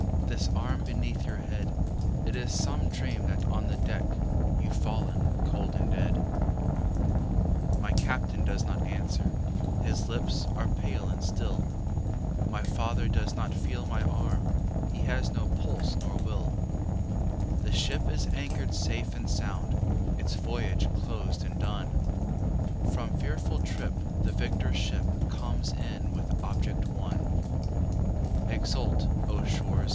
This arm beneath your head! It is some dream that on the deck You've fallen cold and dead. My Captain does not answer, his lips are pale and still, My father does not feel my arm, he has no pulse nor will; The ship is anchor'd safe and sound, its voyage closed and done, From fearful trip the victor ship comes in with object won; Exult, O shores!